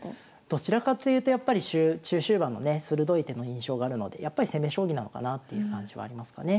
どちらかというとやっぱり中終盤のね鋭い手の印象があるのでやっぱり攻め将棋なのかなという感じはありますかね。